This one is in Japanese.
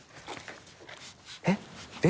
えっ？